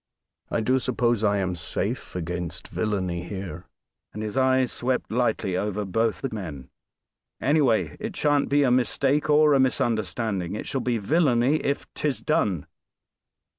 "I do suppose I am safe against villainy here." And his eye swept lightly over both the men. "Anyway, it shan't be a _mis_take or a _mis_understanding; it shall be villainy if 'tis done.